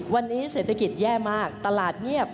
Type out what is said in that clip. วันนี้เศรษฐกิจแย่มากตลาดเงียบ